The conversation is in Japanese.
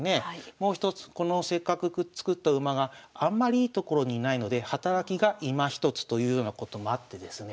もう一つこのせっかく作った馬があんまりいい所に居ないので働きがいまひとつというようなこともあってですね